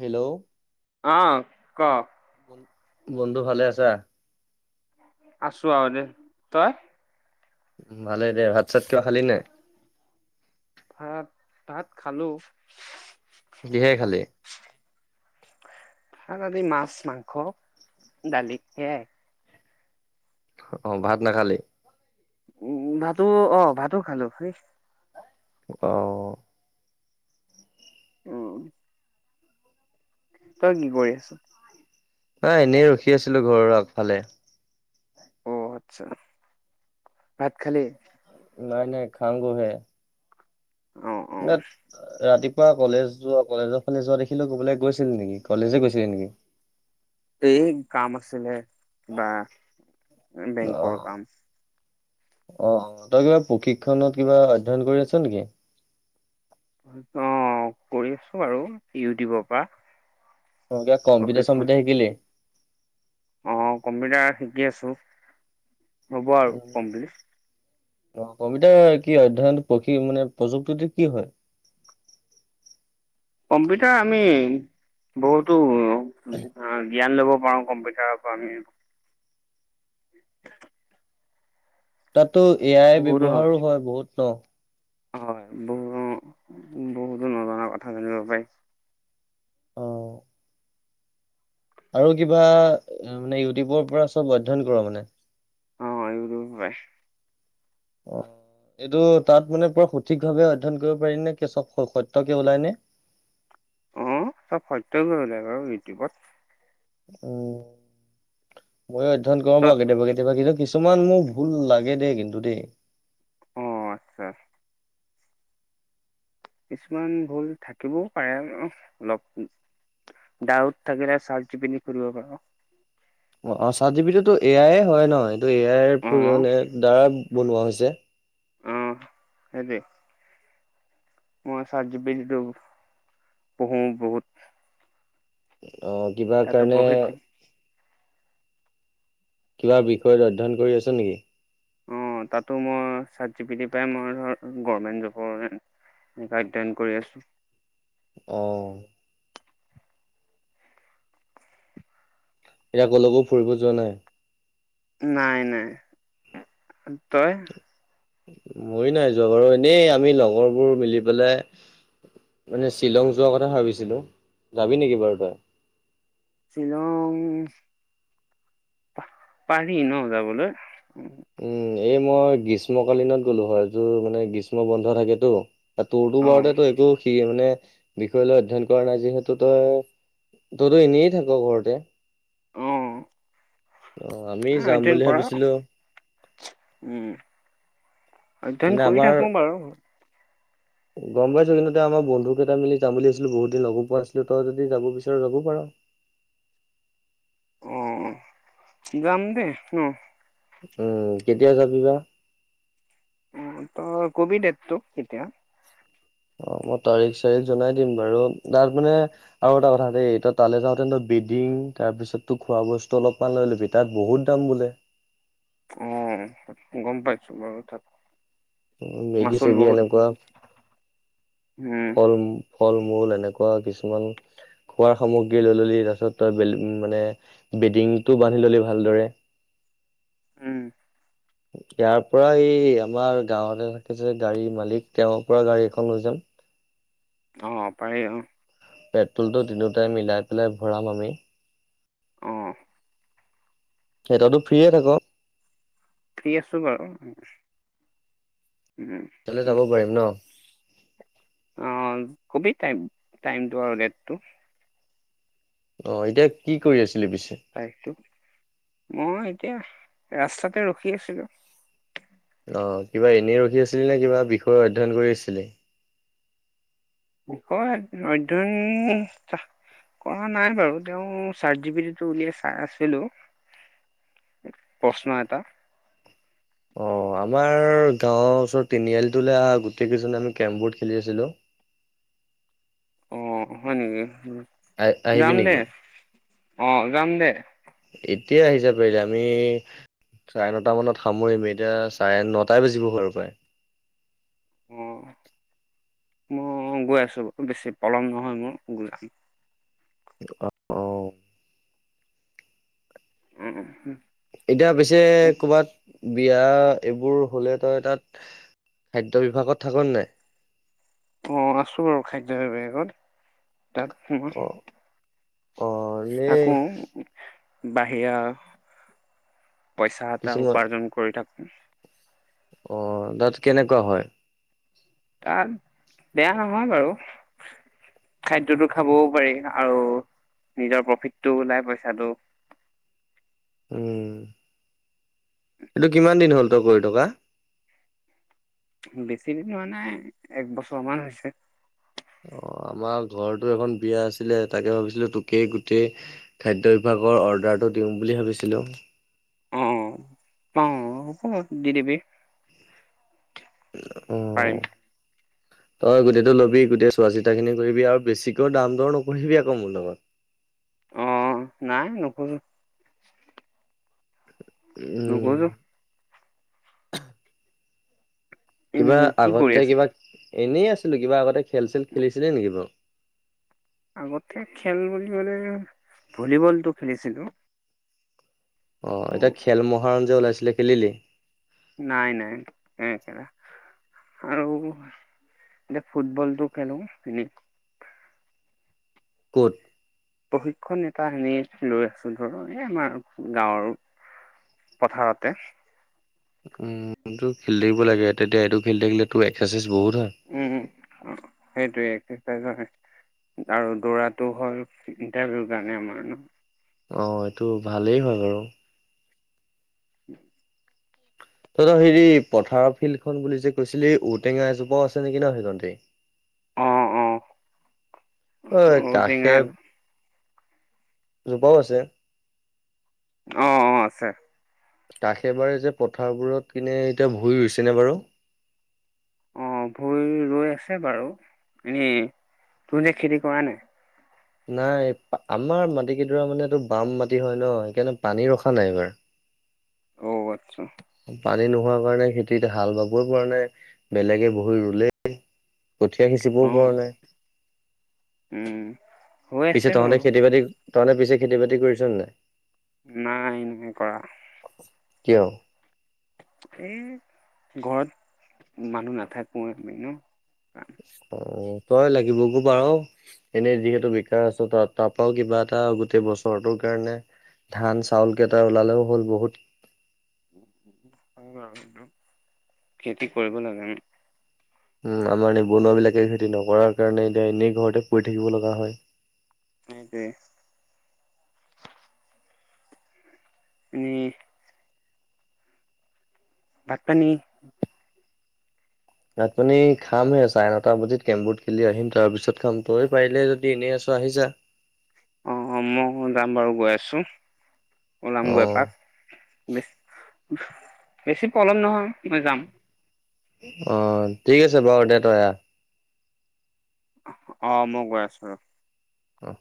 Hello আহ ক। বন্ধু ভালে আছা? আছোঁ আৰু দে তই। উম ভালেই দে ভাত চাত কিবা খালি নে নাই। ভাত ভাত খালোঁ। কিহেৰে খালি। ভাত আজি মাছ মাংস দালি সেয়াই। অ 'অ' ভাত নাখালি। উম ভাতো ভাতো খালোঁ সেই। অহ। উম। তই কি কৰি আছোঁ। এনেই ৰখি আছিলো ঘৰৰ আগফালে। অ আচ্ছা ভাত খালি। নাই নাই খাম গৈ হে। অ অ ন ৰাতি। পুৱা কলেজ যোৱা কলেজৰ ফালে যোৱা দেখিলোঁ কৰোঁবালৈ গৈছিল নেকি কলেজে গৈছিলে নেকি। এই কাম আছিলে। অ অ তই কিবা প্ৰশিক্ষণত কিবা অধ্যয়ন কৰি আছোঁ নেকি। অ কৰি আছোঁ আৰু ইউটিউবৰ পৰা। অ কিবা কম্পউটাৰ প্ৰশিক্ষণ চম্পিউটাৰ কিবা শিকিলি। অ কম্পিউটাৰ শিকি আছোঁ হব আৰু কমপ্লিট। অ কম্পিউটাৰ কি অধ্যয়ন প্ৰশি মানে প্ৰযুক্তিটো কি হয়। কম্পিউটাৰ আমি বহুতো। জ্ঞান ল'ব পাৰোঁ কম্পিউটাৰৰ পৰা আমি। তাতো এ আই বহুতো নজ ব্যৱহাৰো হয় বহুত নহ। হয় বহুতো বহুতো নজনা কথা জানিব পাৰি। অ আৰু কিবা মানে ইউটিউবৰ পৰা চব অধ্যয়ন কৰোঁ মানে। অ। [unintelligible] অ। এইটো তাত মানে পুৰা সঠিক ভাৱে অধ্যয়ন কৰিব পাৰি নে চব সত্য কে ওলাই নে। [inaudible] অ', চব সত্য কৰিলে বাৰু ইউটিউবত উম ময়ো অধ্যয়ন কৰো ত বাৰু কেতিয়াবা কেতিয়াবা কিন্তু কি ছুমান মোৰ ভুল লাগে দেই কিন্তু দেই অ', আচ্ছা। কিছুমান ভুল থাকিবও পাৰে অলপ। ডাউট থাকিলে চাটজিপিট সুধিব পাৰোঁ। অ অ চাটজিপিটো এয়াই। অ আই অ [unintelligible] দ্বাৰা বনোৱা হৈছে। আহ সেইতোৱে ম চাতজিপিতিটো পঢ়ো বহুত। অ', কিবা তাতো কাৰণে প্ৰশিক্ষণ কিবা বিষয়ত অধ্যয়ন কৰি আছ নেকি? অ', তাতো মই চাতজিপিতিৰ পাই মই ধৰ গভমেণ্ট জবৰ কাৰণে অধ্যয়ন কৰি আছো। আহ। ইয়ক লগো [unintelligible] ফুৰিব যোৱা নাই নাই নাই, তই? মই নাই যোৱা বাৰু এনেই আমি লগৰবোৰ মিলি পেলাই মানে শ্বিলং যোৱাৰ কথা ভাবিছিলো, যাবি নেকি বাৰু তই? শ্বিলং পাৰি ন' যাবলৈ। উম এই মই গ্ৰীষ্মকালীনত গ'লো হয় তোৰ মানে গ্ৰীষ্ম বন্ধ থাকেতো। তোৰ তো অ', বাৰতে তো একো সি মানে বিষয়লৈ অধ্যয়ন কৰা নাই যিহেতু, তই তইতো এনেই থাক ঘৰতে উম। অ' আমি অ', যাম অধ্যয়ন বুলি কৰা ভাবিছিলো উম মানে অধ্যয়ন কৰি আমাৰ থাকো বাৰু। গম পাইছো কিন্তু এ আমাৰ বন্ধুকেইটা মিলি যাম বুলি ভাবিছিলো বহুত দিন লগো পোৱা নাছিলো তই যদি যাব বিচাৰ যাব পাৰ [inaudible] অ', যাম দে ন'। উম কেতিয়া যাবি বা? উ ত ক'বি ডেতটো এতিয়া অ'। মই তাৰিখ চাৰিখ জনাই দিম বাৰু তাত মানে আৰু এটা কথা দ তালৈ যাওঁতে বেডিং তাৰ পিছত তো খোৱা বস্তু অলপমান লৈ ল'বি তাত বহুত দাম বোলে। অ', গম পাইছো বাৰু তাত উ মেগী মাচুল চেগী বহুত এনেকুৱা, উম, ফল ফল মূল এনেকুৱা কিছুমান খোৱাৰ সামগ্ৰী লৈ ল'লি তাৰপিছত তই মানে বেডিংটো বান্ধি ল'লি ভালদৰে [inaudible] উম। ইয়াৰ পৰা এই আমাৰ গাঁৱতে থাকিছে গাড়ী মালিক তেওঁৰ পৰা গাড়ী এখন লৈ যাম। অ', পাৰি অ'। পেট্ৰলটো তিনিওটাই মিলাই পেলাই ভৰাম আমি। আহ। সিহততো [unintelligible] ফ্ৰিয়ে থাক' ফ্ৰী আছো বাৰু। উম, ললে উম, যাব পাৰিম ন'। অ', কবি টাইম টাইমটো আৰু ডেটটো। অ' এতিয়া কি কৰি আছে। তাইটো মই এতিয়া ৰাস্তাতে ৰখি আছিলো। অ কিবা এনেই ৰখি আছিলি নে কিবা বিষয় অধ্যয়ন কৰি আছিলি। অধ্যায়ন। কৰা নাই বাৰু, তেওঁ ৰ্চাট জিপিটিতো উলিয়াই চাই আছিলো। প্ৰশ্ন এটা। অ', আমাৰ গাঁৱৰ ওচৰত তিনিআলিতোলৈ আহ গোটেই কেইজনে আমি কেৰম বৰ্ড খেলি আছিলো। [inaudible] অ', হয় নেকি। আহ আহিবি যাম দে নেকি? অ', যাম দে। এতিয়া আহি যা পাৰিলে, আমি চাৰে নটা মানত সামৰিম এতিয়া চাৰে নটাই বাজিব হয় পায়। উ মই গৈ আছো ব বেছি পলম নহয় মোৰ গৈ অ অ। উম উম উম এতিয়া পিছে কৰ'ৰবাত বিয়া এইবোৰ হ'লে তই তাত খাদ্য বিভাগত থাকোন নাই। অ আছো আৰু খাদ্য বিভাগত তাত মই অ অ এনেই থাকো বাহিৰা। পইচা এটা কিছুমান উপাৰ্জন কৰি থাকো। অ তাত কেনেকুৱা হয়। তাত বেয়া নহয় বাৰু। খাদ্যয়তটো খাবও পাৰি আৰু নিজৰ প্ৰফিতটো ওলাই পইচাটো উম এইটো কিমান দিন হল তই কৰি থকা। বেছিদিন মানে একবছৰমান হৈছে। অ আমাৰ ঘৰতো এখন বিয়া আছিলে তাকে ভাবিছিলো তোকেই গোটেই খাদ্যয় বিভা অৰ্ডাৰটো দিম বুলি ভাবিছিলো। অ' অ'হব‌ দি দিবি। পাৰিম আহ। তই গোটটো লবি গোটেই চোৱা চিতা খিনি কৰিবি, আৰু বেছিকেও দাম দৰ নকৰিবি আকৌ মোৰ লগত। অ নাই নোখোজো। উম নোখোজো। কিবা এনেই কি কৰি আগতে আছে? কিবা এনেই আছিলোঁ। কিবা আগতে খেল চেল খেলিছিলে নেকি বাৰু? আগতে খেল বুলি মানে ভলীবলটো খেলিছিলোঁ। অ, এতিয়া খেল মহাৰঞ্জ যে ওলাইছিলে খেলিলি? নাই নাই, নাই খেলা আৰু এ ফুটবলটো খেলোঁ [inaudible] ক'ত। প্ৰশিক্ষণ এটা এনে লৈ আছোঁ ধৰ এ আমাৰ গাঁৱৰ। পথাৰতে। উ এটো খেলি থাকিব লাগে। তেতিয়া এইটো খেলি থাকিলে তু একচা্ চা্ইছ উ, উ সেই টুয়েই। [unintelligible] আৰু দৌৰাটো হ'ল ইটাৰভিউৰ কাৰণে আমাৰ ন, অ, এইটো ভালেই হ'য় বাৰু। [inaudible] তই, যে হেৰি পথাৰৰ ফিল্ড খন বুলি যে কৈছিলি। ঔটেঙা এজোপাও আছে নেকি নহ সেইখনতেই। অ অ অই, ঔটেঙা কাখেৱ। জোপাও আছে। অ, অ আছে। কাষে বাৰে যে পথাৰবোৰত পিনে এতিয়া ভুই ৰুইছেনে বাৰু? অ, ভুই ৰুই আছে বাৰু। এনেই তোৰ যে খেতি কৰা নাই? নাই আমাৰ মাটি কেইডৰা মানে এইটো বাম মাটি হয় নহ, সেইকাৰণে পানী ৰখা নাই এইবাৰ। অ, আচ্ছা। পানী নোহোৱা কাৰণে খেতিত হাল বাবই পৰা নাই। বেলেগে বহুত ৰুলেই কঠীয়া অ সিঁচিবও পৰা নাই। উম হৈ পিছে আছে তহঁতে বাৰু খেতি বাতি, তহঁতে পিছে খেতি বাতি কৰিছ নে নাই? নাই [unintelligible] কৰা কিয়? এ, ঘৰত মানুহ নাথাকোয়ে এনেও। অ, তই লাগিবগৈ পাৰোঁ। এনেই যিহেতু বেকাৰ আছোঁ তাৰ পৰাওঁ কিবা এটা গোটেই বছৰটোৰ কাৰণে। ধান, চাউল কেইটা ওলালেওঁ হ'ল বহুত। [unintelligible] খেতি কৰিব নাজানোঁ। উম, আমাৰ নিবনুৱাবিলাকে খেতি নকৰাৰ কাৰণে এতিয়া এনেই ঘৰতে পৰি থাকিব লগা হয়। তাকেই। [inaudible] উম। ভাত, পানী। ভাত, পানী খাম হে চাৰে নটা বজিত। কেমবোৰ্ড খেলি আহিম তাৰ পিছত খাম। তই পাৰিলে যদি এনেই আছোঁ। আহি যা। অ, মই যাম বাৰু গৈ আছোঁ। ওলামগৈ অ', এপাক বিশ। বেছি পলম নহয় মই যাম। অ, ঠিক আছে বাৰু দে তই আহ। অ, মই গৈ আছোঁ ৰ'হ। অহ'।